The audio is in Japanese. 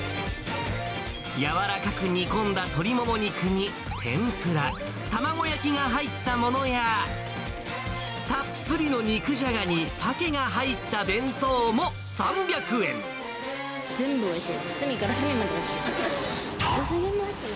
柔らかく煮込んだ鶏もも肉に、天ぷら、卵焼きが入ったものや、たっぷりの肉じゃがに、サケが入った弁当全部おいしい、隅から隅までおいしい。